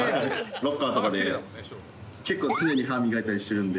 ロッカーとかで、結構常に歯磨いたりしてるんで。